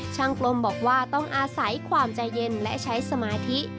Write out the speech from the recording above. กลมบอกว่าต้องอาศัยความใจเย็นและใช้สมาธิ